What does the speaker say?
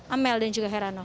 amel dan juga herano